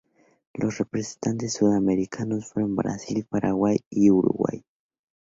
Los representantes sudamericanos fueron Brasil, Paraguay y Uruguay.